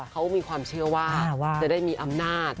เขามีความเชื่อว่าจะได้มีอำนาจ